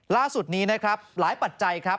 ล่าสุดนี้หลายปัจจัย